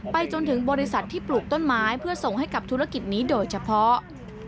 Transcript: จนถึงบริษัทที่ปลูกต้นไม้เพื่อส่งให้กับธุรกิจนี้โดยเฉพาะ